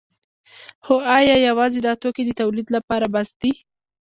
خو ایا یوازې دا توکي د تولید لپاره بس دي؟